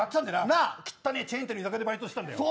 きったねえチェーン店でバイトしてたんだよ。